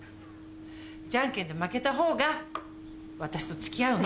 じゃんけんで負けた方が私と付き合うの。